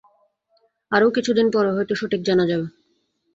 আরও কিছুদিন পরে হয়তো সঠিক জানা যাবে।